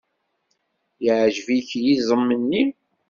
Yeɛjeb-ik yiẓem-nni?